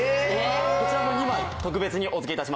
こちらも２枚特別にお付け致します。